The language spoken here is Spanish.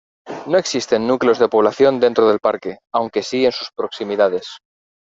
No existen núcleos de población dentro del parque, aunque sí en sus proximidades.